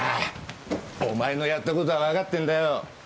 お前のやった事はわかってんだよ！